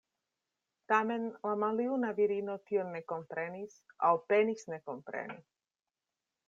Tamen la maljuna virino tion ne komprenis, aŭ penis ne kompreni.